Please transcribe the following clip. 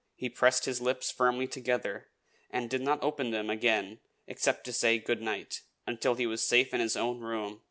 He pressed his lips firmly together, and did not open them again except to say "Good night," until he was safe in his own room.